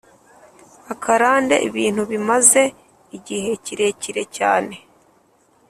akarande: ibintu bimaze igihe kirekire cyane,